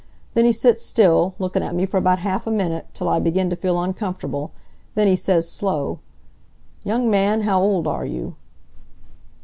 Then he sits still, lookin' at me for about half a minute, till I begin t' feel uncomfortable. Then he says, slow: 'Young man, how old are you?'